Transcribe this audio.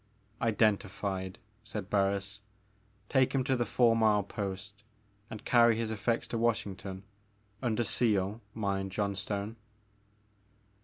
'* Identified," said Barns, take him to the four mile post and carry his effects to Washington, — under seal, mind, Johnstone."